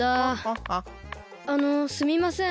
あのすみません。